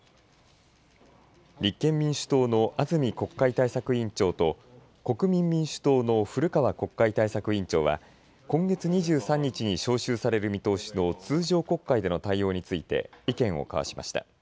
立憲民主党の安住国会対策委員長と国民民主党の古川国会対策委員長は今月２３日に召集される見通しの通常国会での対応について意見を交わしました。